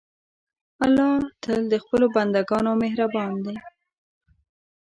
الله تل د خپلو بندهګانو مهربان دی.